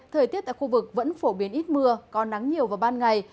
thời tiết tại khu vực vẫn phổ biến ít mưa có nắng nhiều vào ban ngày